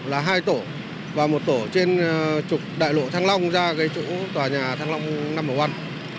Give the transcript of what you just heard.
là hai tổ và một tổ trên trục đại lộ thăng long ra cái chỗ tòa nhà thăng long năm mở văn